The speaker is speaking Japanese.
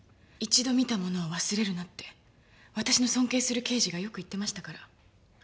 一度見たものは忘れるなって私の尊敬する刑事がよく言ってましたから。